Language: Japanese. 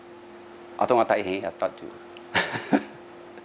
あとが大変やったという。